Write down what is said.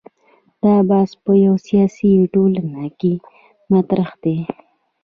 دا بحث په یوه سیاسي ټولنه کې مطرح دی.